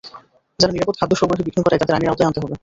যারা নিরাপদ খাদ্য সরবরাহে বিঘ্ন ঘটায়, তাদের আইনের আওতায় আনতে হবে।